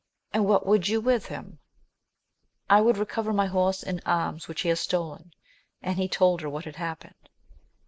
— And what would you with him ? I would recover my horse and arms which he has stolen ; and he told her what had happened.